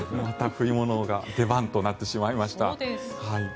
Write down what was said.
また冬物が出番となってしまいました。